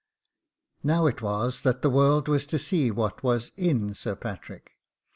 Now it was that the world was to see what was IN Sir Patrick.